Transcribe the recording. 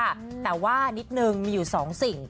แต่ว่านิดนึงมีอยู่สองสิ่ง